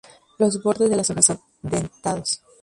Los bordes de las hojas son dentados.